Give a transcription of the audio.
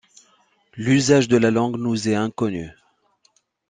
L'usage de la langue nous est inconnu.